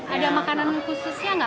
ada makanan khususnya nggak